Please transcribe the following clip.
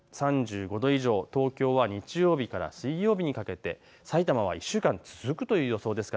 ３５度以上、東京は日曜日から水曜日、埼玉は１週間続くという予想です。